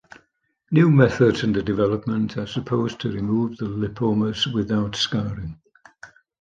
New methods under development are supposed to remove the lipomas without scarring.